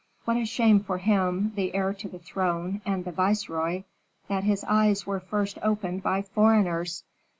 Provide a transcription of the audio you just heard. What a shame for him, the heir to the throne, and the viceroy, that his eyes were first opened by foreigners!